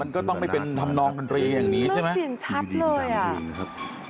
มันก็ต้องไม่เป็นทำนองกันเรียงอย่างนี้ใช่ไหมเรื่องเสียงชับเลยอ่ะ